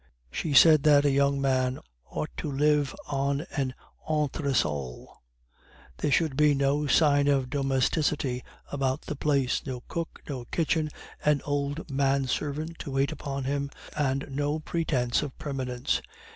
She said that a young man ought to live on an entresol; there should be no sign of domesticity about the place; no cook, no kitchen, an old manservant to wait upon him, and no pretence of permanence.